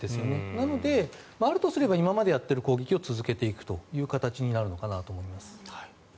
なので、あるとすれば今までやっている攻撃を続けていく形になるのかなと思います。